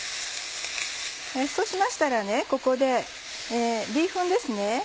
そうしましたらここでビーフンです。